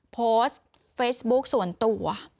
โพสต์เฟซบุ๊คส่วนตัว